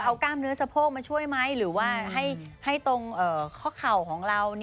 เอากล้ามเนื้อสะโพกมาช่วยไหมหรือว่าให้ตรงข้อเข่าของเรา